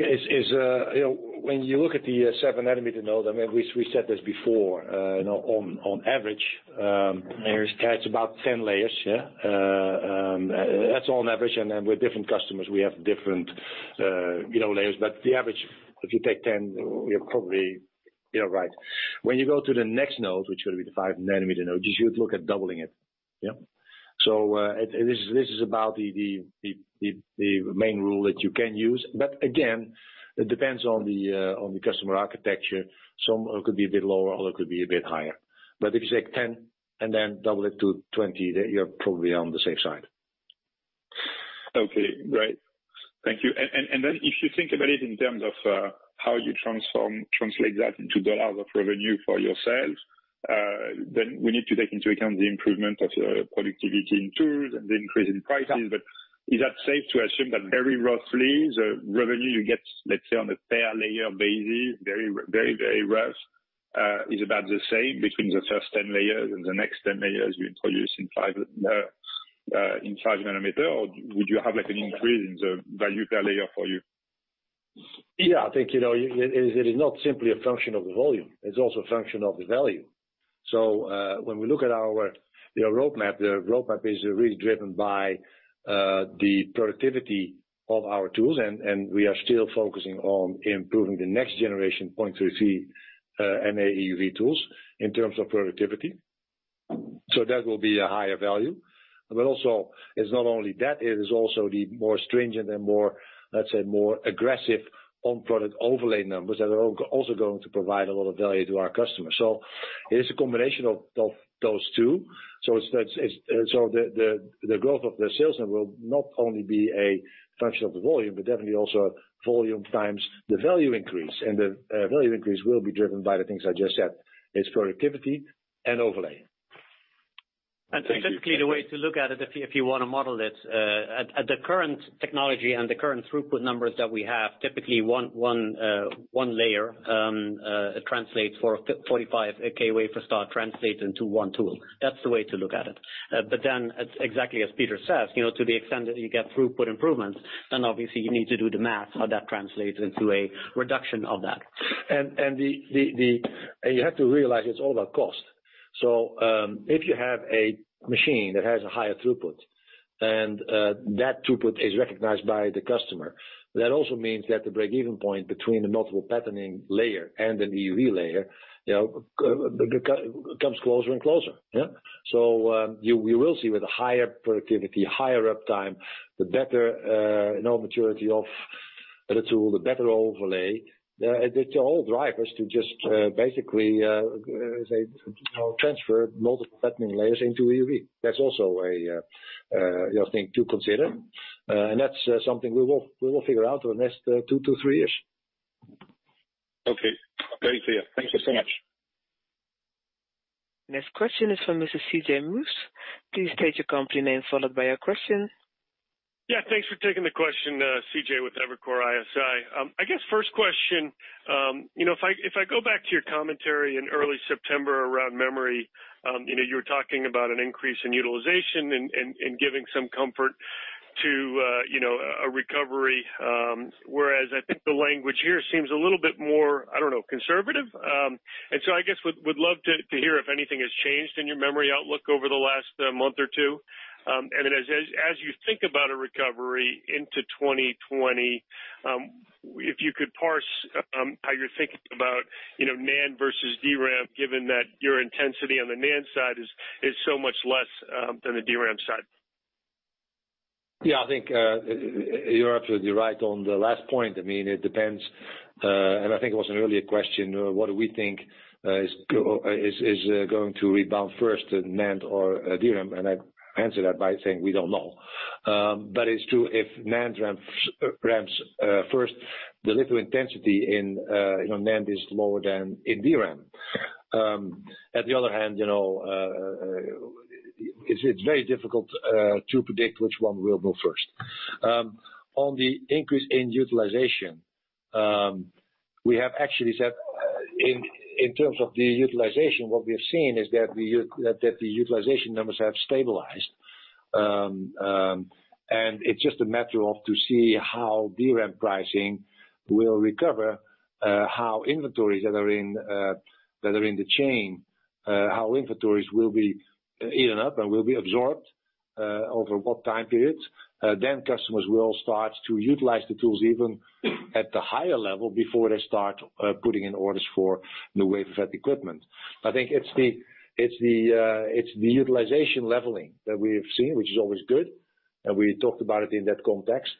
When you look at the 7-nanometer node, we said this before, on average, there is about 10 layers. That's on average, then with different customers, we have different layers. The average, if you take 10, you're probably right. When you go to the next node, which will be the 5-nanometer node, you should look at doubling it. This is about the main rule that you can use. Again, it depends on the customer architecture. Some could be a bit lower, other could be a bit higher. If you take 10 and then double it to 20, then you're probably on the safe side. Okay, great. Thank you. If you think about it in terms of how you translate that into EUR of revenue for your sales, then we need to take into account the improvement of productivity in tools and the increase in prices. Yeah. Is that safe to assume that very roughly, the revenue you get, let's say on a per-layer basis, very rough, is about the same between the first 10 layers and the next 10 layers you introduce in 5 nanometer? Or would you have an increase in the value per layer for you? Yeah, I think it is not simply a function of the volume, it's also a function of the value. When we look at our roadmap, the roadmap is really driven by the productivity of our tools, and we are still focusing on improving the next generation 0.33 NA EUV tools in terms of productivity. That will be a higher value. Also, it's not only that, it is also the more stringent and more, let's say, more aggressive on-product overlay numbers that are also going to provide a lot of value to our customers. It is a combination of those two. The growth of the sales then will not only be a function of the volume, but definitely also volume times the value increase. The value increase will be driven by the things I just said, is productivity and overlay. Typically, the way to look at it, if you want to model it, at the current technology and the current throughput numbers that we have, typically one layer translates 45K wafer start translates into one tool. That's the way to look at it. Exactly as Peter says, to the extent that you get throughput improvements, then obviously you need to do the math, how that translates into a reduction of that. You have to realize it's all about cost. If you have a machine that has a higher throughput, and that throughput is recognized by the customer, that also means you have to break-even point between the multiple patterning layer and an EUV layer, comes closer and closer. We will see with a higher productivity, higher uptime, the better maturity of the tool, the better overlay. They're all drivers to just basically transfer multiple patterning layers into EUV. That's also a thing to consider. That's something we will figure out over the next two to three years. Okay. Very clear. Thank you so much. Next question is from Mr. C.J. Muse. Please state your company name followed by your question. Yeah. Thanks for taking the question. C.J. with Evercore ISI. I guess first question, if I go back to your commentary in early September around memory, you were talking about an increase in utilization and giving some comfort to a recovery. Whereas I think the language here seems a little bit more, I don't know, conservative. I guess, would love to hear if anything has changed in your memory outlook over the last month or two. As you think about a recovery into 2020, if you could parse how you're thinking about NAND versus DRAM, given that your intensity on the NAND side is so much less than the DRAM side. Yeah. I think you're absolutely right on the last point. It depends, I think it was an earlier question, what do we think is going to rebound first, NAND or DRAM? I answered that by saying we don't know. It's true, if NAND ramps first, the litho intensity in NAND is lower than in DRAM. On the other hand, it's very difficult to predict which one will go first. On the increase in utilization, we have actually said in terms of the utilization, what we have seen is that the utilization numbers have stabilized. It's just a matter of to see how DRAM pricing will recover, how inventories that are in the chain, how inventories will be eaten up and will be absorbed, over what time periods. Customers will start to utilize the tools even at the higher level before they start putting in orders for new wafer equipment. I think it's the utilization leveling that we have seen, which is always good, and we talked about it in that context.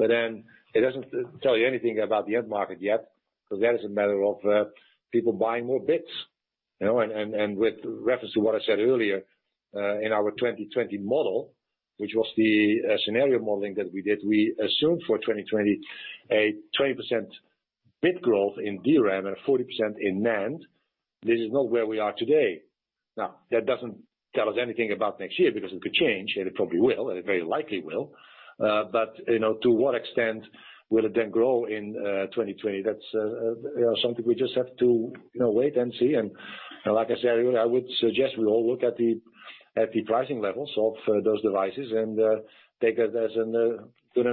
It doesn't tell you anything about the end market yet, because that is a matter of people buying more bits. With reference to what I said earlier, in our 2020 model, which was the scenario modeling that we did, we assumed for 2020, a 20% bit growth in DRAM and a 40% in NAND. This is not where we are today. That doesn't tell us anything about next year, because it could change, it probably will, it very likely will. To what extent will it then grow in 2020? That's something we just have to wait and see. Like I said earlier, I would suggest we all look at the pricing levels of those devices and take that as an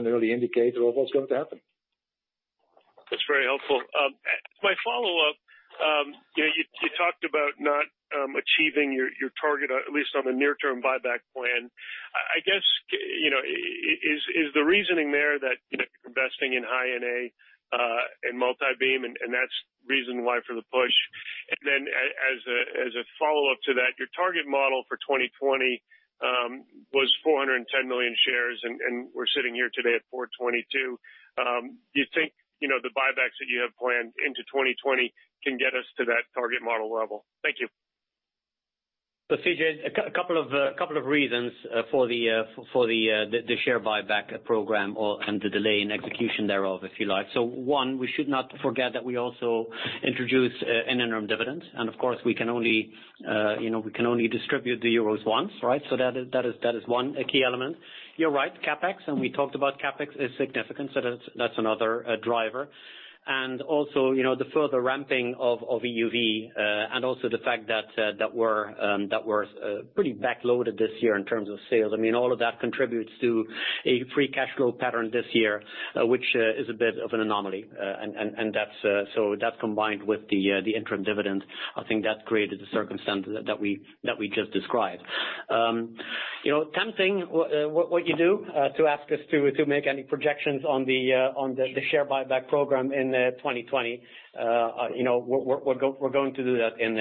early indicator of what's going to happen. That's very helpful. As my follow-up, you talked about not achieving your target, at least on the near-term buyback plan. I guess, is the reasoning there that you're investing in High NA and multi-beam, and that's reason why for the push? As a follow-up to that, your target model for 2020 was 410 million shares, and we're sitting here today at 422. Do you think the buybacks that you have planned into 2020 can get us to that target model level? Thank you. C.J., a couple of reasons for the share buyback program, and the delay in execution thereof, if you like. One, we should not forget that we also introduced an interim dividend. Of course, we can only distribute the euros once, right? That is one key element. You're right, CapEx, and we talked about CapEx, is significant. That's another driver. Also, the further ramping of EUV, and also the fact that we're pretty back-loaded this year in terms of sales. All of that contributes to a free cash flow pattern this year, which is a bit of an anomaly. That combined with the interim dividend, I think that created the circumstance that we just described. Tempting what you do, to ask us to make any projections on the share buyback program in 2020. We're going to do that in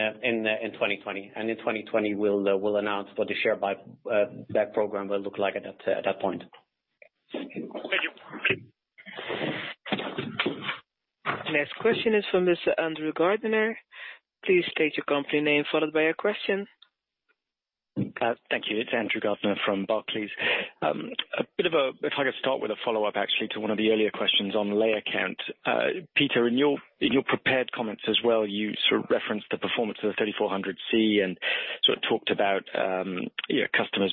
2020. In 2020, we'll announce what the share buyback program will look like at that point. Thank you. Next question is from Mr. Andrew Gardiner. Please state your company name followed by your question. Thank you. It is Andrew Gardiner from Barclays. If I could start with a follow-up actually to one of the earlier questions on layer count. Peter, in your prepared comments as well, you sort of referenced the performance of the 3400C and sort of talked about your customers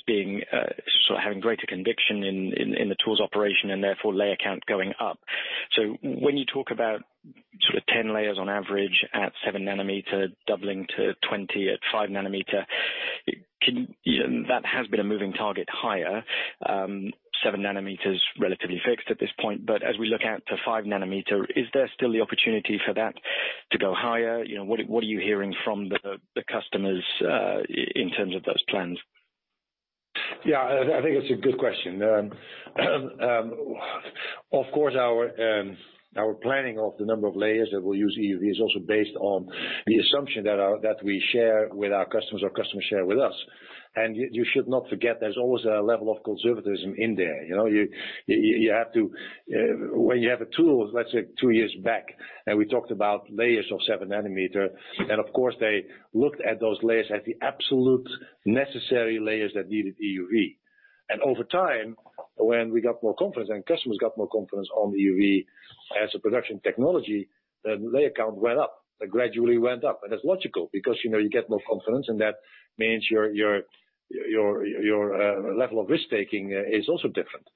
having greater conviction in the tools operation and therefore layer count going up. When you talk about sort of 10 layers on average at seven nanometer doubling to 20 at five nanometer, that has been a moving target higher. Seven nanometer's relatively fixed at this point. As we look out to five nanometer, is there still the opportunity for that to go higher? What are you hearing from the customers in terms of those plans? I think it's a good question. Of course, our planning of the number of layers that we'll use EUV is also based on the assumption that we share with our customers, or customers share with us. You should not forget, there's always a level of conservatism in there. When you have a tool, let's say two years back, we talked about layers of seven nanometer, and of course, they looked at those layers as the absolute necessary layers that needed EUV. Over time, when we got more confidence and customers got more confidence on EUV as a production technology, then layer count went up. They gradually went up, and that's logical because you get more confidence and that means your level of risk-taking is also different.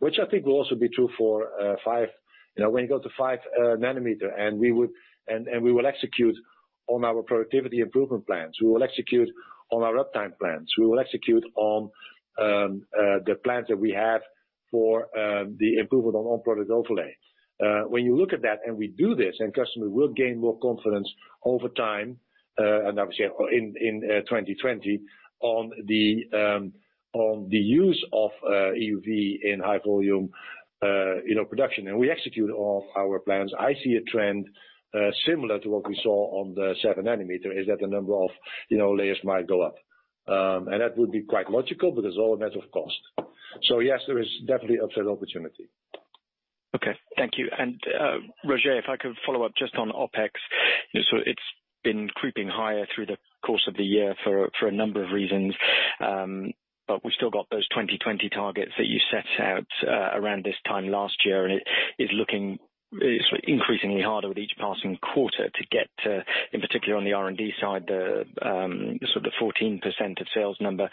Which I think will also be true for five. When you go to 5 nanometer, and we will execute on our productivity improvement plans. We will execute on our uptime plans. We will execute on the plans that we have for the improvement on on-product overlay. When you look at that, and we do this, and customers will gain more confidence over time, and obviously in 2020, on the use of EUV in high volume production. We execute all of our plans. I see a trend similar to what we saw on the 7 nanometer, is that the number of layers might go up. That would be quite logical, but it's all a matter of cost. Yes, there is definitely an opportunity. Okay. Thank you. Roger, if I could follow up just on OpEx. It's been creeping higher through the course of the year for a number of reasons. We still got those 2020 targets that you set out around this time last year, and it is looking increasingly harder with each passing quarter to get to, in particular on the R&D side, the sort of 14% of sales number.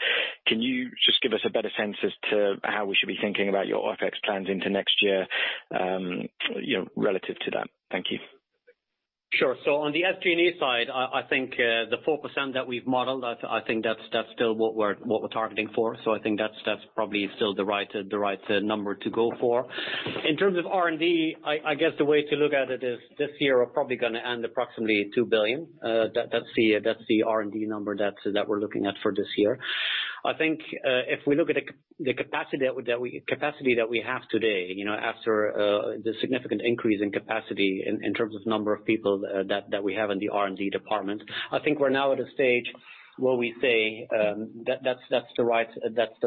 Can you just give us a better sense as to how we should be thinking about your OpEx plans into next year relative to that? Thank you. Sure. On the SG&A side, I think the 4% that we've modeled, I think that's still what we're targeting for. I think that's probably still the right number to go for. In terms of R&D, I guess the way to look at it is this year we're probably going to end approximately 2 billion. That's the R&D number that we're looking at for this year. I think if we look at the capacity that we have today, after the significant increase in capacity in terms of number of people that we have in the R&D department, I think we're now at a stage where we say that's the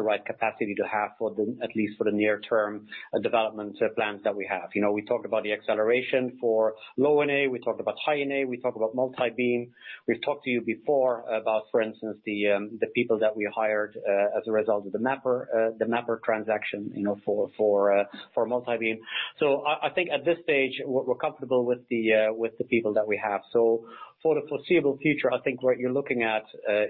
right capacity to have, at least for the near term development plans that we have. We talked about the acceleration for Low NA, we talked about High NA, we talked about multi-beam. We've talked to you before about, for instance, the people that we hired as a result of the Mapper transaction for multi-beam. I think at this stage, we're comfortable with the people that we have. For the foreseeable future, I think what you're looking at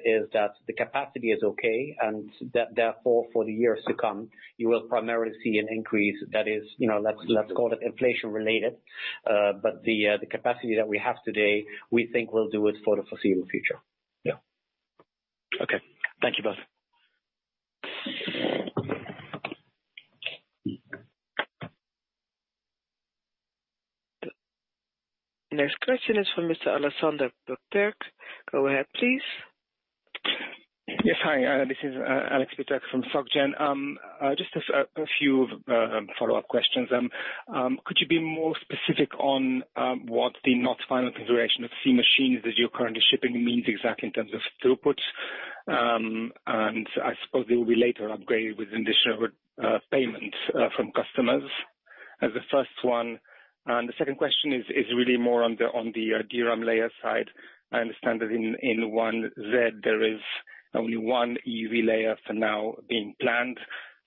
is that the capacity is okay, and therefore for the years to come, you will primarily see an increase that is, let's call it inflation-related. The capacity that we have today, we think will do it for the foreseeable future. Yeah. Okay. Thank you both. Next question is from Mr. Aleksander Peterc. Go ahead, please. Yes. Hi, this is Alex Peterc from Societe Generale. Just a few follow-up questions. Could you be more specific on what the not final configuration of C machines that you're currently shipping means exactly in terms of throughput? I suppose they will be later upgraded with additional payments from customers as the first one. The second question is really more on the DRAM layer side. I understand that in 1Z there is only one EUV layer for now being planned.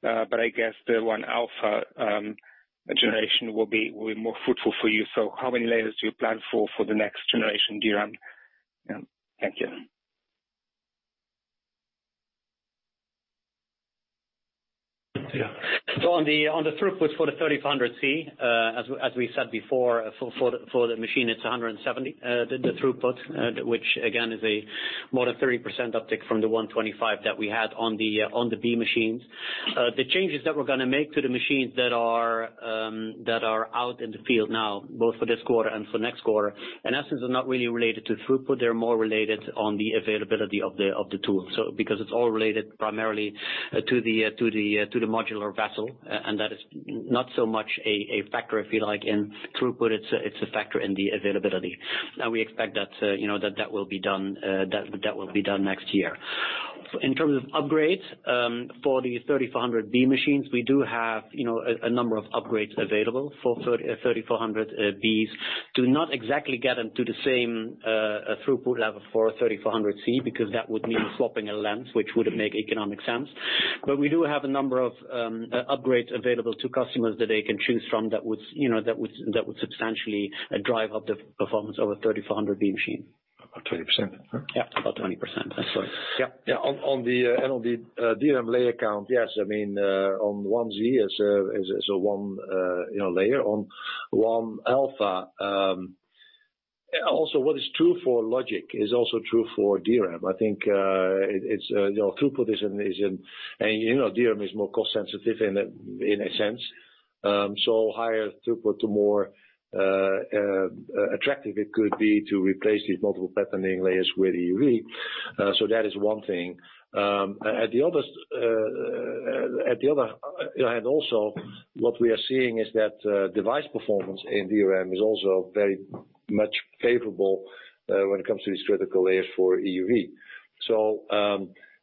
I guess the 1-alpha generation will be more fruitful for you. How many layers do you plan for for the next generation DRAM? Thank you. Yeah. On the throughput for the 3400C, as we said before, for the machine it's 170, the throughput, which again is a more than 30% uptick from the 125 that we had on the B machines. The changes that we're going to make to the machines that are out in the field now, both for this quarter and for next quarter, in essence, are not really related to throughput. They're more related on the availability of the tool. Because it's all related primarily to the modular vessel, and that is not so much a factor, if you like, in throughput. It's a factor in the availability. We expect that will be done next year. In terms of upgrades for the 3400B machines, we do have a number of upgrades available for 3400Bs. Do not exactly get them to the same throughput level for a 3,400C, because that would mean swapping a lens, which wouldn't make economic sense. We do have a number of upgrades available to customers that they can choose from that would substantially drive up the performance of a 3,400B machine. About 20%. Yeah, about 20%. That's right. On the DRAM layer count, yes, I mean, on 1Z is one layer. On 1-alpha. What is true for logic is also true for DRAM. I think throughput. DRAM is more cost sensitive in a sense. Higher throughput, the more attractive it could be to replace these multiple patterning layers with EUV. That is one thing. What we are seeing is that device performance in DRAM is also very much favorable when it comes to these critical layers for EUV.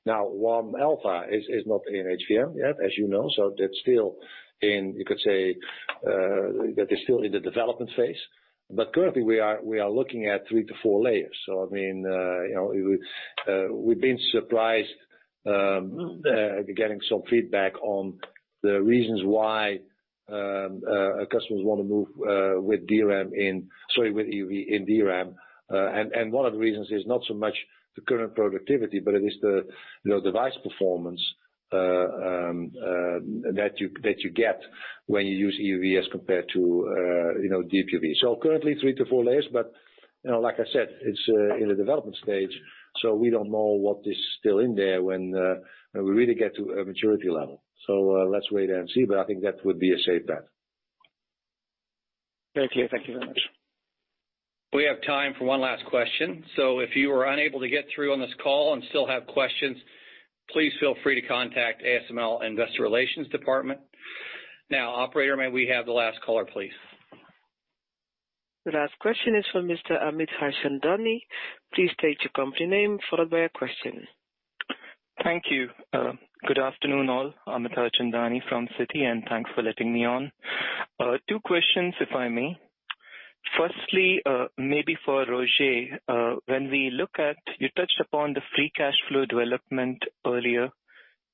Now 1-alpha is not in HVM yet, as you know. That's still in, you could say, the development phase. Currently we are looking at three to four layers. I mean, we've been surprised getting some feedback on the reasons why customers want to move with DRAM in Sorry, with EUV in DRAM. One of the reasons is not so much the current productivity, but it is the device performance that you get when you use EUV as compared to deep UV. Currently three to four layers, but like I said, it's in the development stage, so we don't know what is still in there when we really get to a maturity level. Let's wait and see, but I think that would be a safe bet. Very clear. Thank you very much. We have time for one last question. If you were unable to get through on this call and still have questions, please feel free to contact ASML Investor Relations department. Operator, may we have the last caller, please? The last question is from Mr. Amit Harchandani. Please state your company name, followed by your question. Thank you. Good afternoon, all. Amit Harchandani from Citi, and thanks for letting me on. Two questions, if I may. Firstly, maybe for Roger. You touched upon the free cash flow development earlier,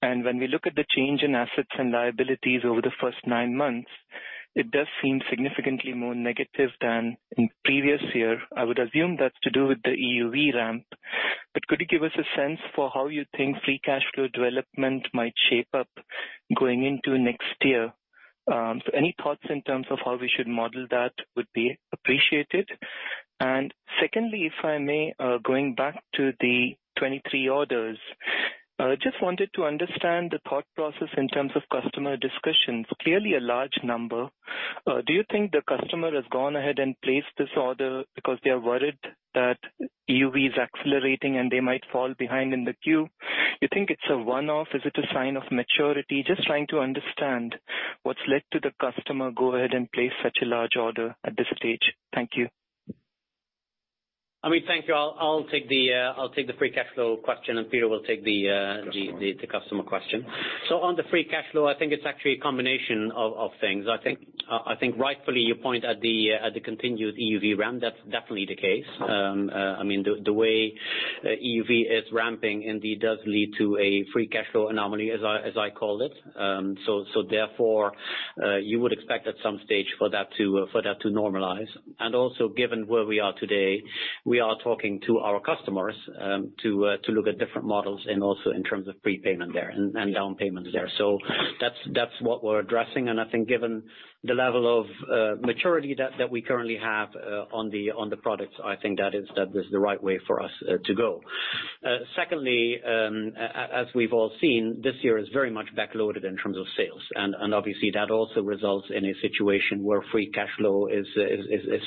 and when we look at the change in assets and liabilities over the first nine months, it does seem significantly more negative than in previous year. I would assume that's to do with the EUV ramp. Could you give us a sense for how you think free cash flow development might shape up going into next year? Any thoughts in terms of how we should model that would be appreciated. Secondly, if I may, going back to the 23 orders, just wanted to understand the thought process in terms of customer discussion. Do you think the customer has gone ahead and placed this order because they are worried that EUV is accelerating, and they might fall behind in the queue? Do you think it's a one-off? Is it a sign of maturity? Just trying to understand what's led to the customer go ahead and place such a large order at this stage. Thank you. Amit, thank you. I'll take the free cash flow question. Customer the customer question. On the free cash flow, I think it's actually a combination of things. I think rightfully, you point at the continued EUV ramp. That's definitely the case. The way EUV is ramping indeed does lead to a free cash flow anomaly, as I called it. Therefore, you would expect at some stage for that to normalize. Also, given where we are today, we are talking to our customers to look at different models, and also in terms of prepayment there and down payment there. That's what we're addressing, and I think given the level of maturity that we currently have on the products, I think that is the right way for us to go. Secondly, as we've all seen, this year is very much back-loaded in terms of sales. Obviously, that also results in a situation where free cash flow is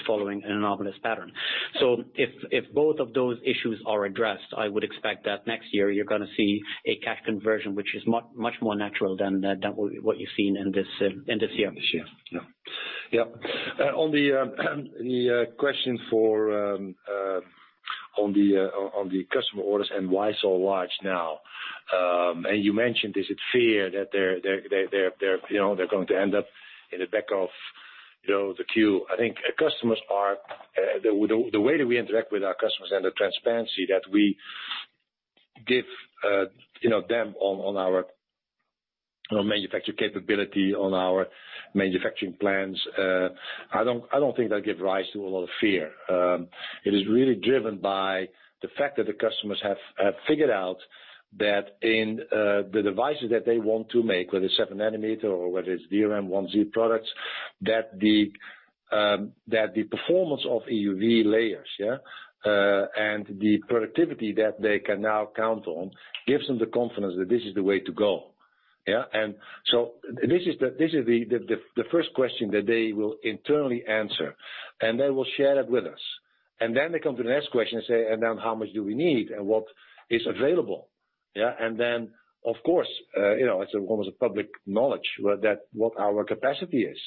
following an anomalous pattern. If both of those issues are addressed, I would expect that next year you're going to see a cash conversion which is much more natural than what you've seen in this year. This year. Yeah. On the question on the customer orders and why so large now. You mentioned, is it fear that they're going to end up in the back of the queue? The way that we interact with our customers and the transparency that we give them on our manufacturing capability, on our manufacturing plans, I don't think that give rise to a lot of fear. It is really driven by the fact that the customers have figured out that in the devices that they want to make, whether it's seven nanometer or whether it's DRAM 1z products, that the performance of EUV layers, and the productivity that they can now count on, gives them the confidence that this is the way to go. This is the first question that they will internally answer, and they will share that with us. They come to the next question and say, "How much do we need, and what is available?" Of course, it's almost a public knowledge what our capacity is.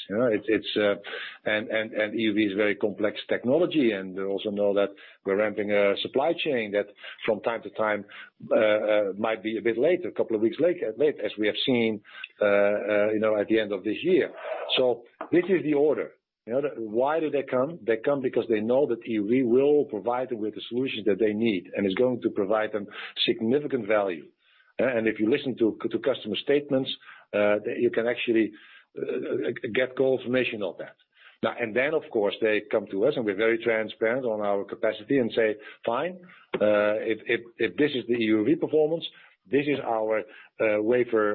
EUV is very complex technology, and they also know that we're ramping a supply chain that from time to time might be a bit late, a couple of weeks late, as we have seen at the end of this year. This is the order. Why do they come? They come because they know that EUV will provide them with the solution that they need, and it's going to provide them significant value. If you listen to customer statements, you can actually get confirmation of that. Now and then, of course, they come to us. We're very transparent on our capacity and say, "Fine, if this is the EUV performance, this is our wafer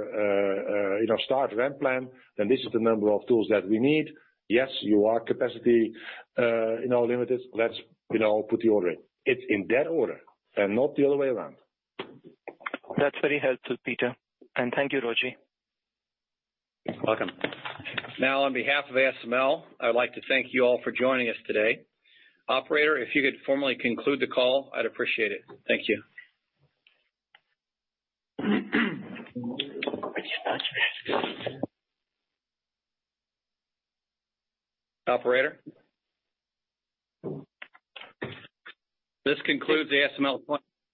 start ramp plan, then this is the number of tools that we need. Yes, you are capacity in our limiters. Let's put the order in." It's in that order, and not the other way around. That's very helpful, Peter. Thank you, Roger. Welcome. Now on behalf of ASML, I'd like to thank you all for joining us today. Operator, if you could formally conclude the call, I'd appreciate it. Thank you. Recording in progress. Operator? This concludes the ASML.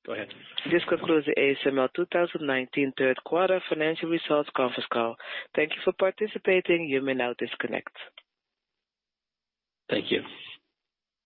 Go ahead. This concludes the ASML 2019 third quarter financial results conference call. Thank you for participating. You may now disconnect. Thank you.